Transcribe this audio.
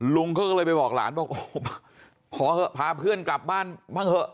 ลุงเขาก็เลยไปบอกหลานบอกพอเถอะพาเพื่อนกลับบ้านบ้างเถอะ